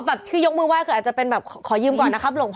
แบบที่ยกมือไห้คืออาจจะเป็นแบบขอยืมก่อนนะครับหลวงพ่อ